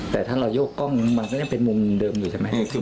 แต่ถ้าเราโยกกล้องมันก็ยังเป็นมุมเดิมอยู่ใช่ไหม